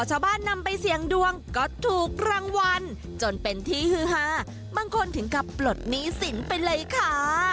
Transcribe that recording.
ชาวบ้านนำไปเสี่ยงดวงก็ถูกรางวัลจนเป็นที่ฮือฮาบางคนถึงกับปลดหนี้สินไปเลยค่ะ